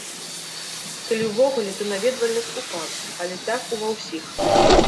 Калі ўвогуле, то наведвальнасць упала, але так у ва ўсіх.